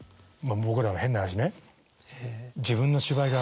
僕ら変な話ね。